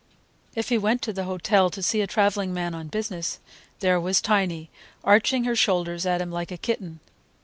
If he went to the hotel to see a traveling man on business, there was Tiny, arching her shoulders at him like a kitten.